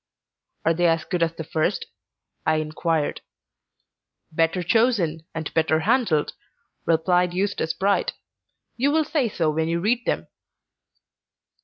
"Are they as good as the first?" I inquired. "Better chosen, and better handled," replied Eustace Bright. "You will say so when you read them."